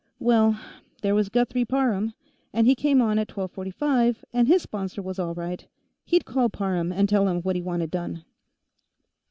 Well, there was Guthrie Parham, he came on at 1245, and his sponsor was all right. He'd call Parham and tell him what he wanted done.